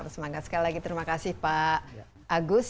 sekali lagi terima kasih pak agus